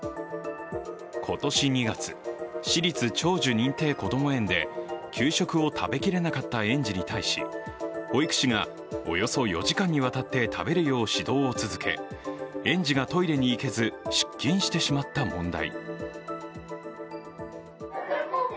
今年２月、私立長寿認定こども園で給食を食べきれなかった園児に対し保育士がおよそ４時間にわたって食べるよう指導を続け園児がトイレに行けず失禁してしまった問題。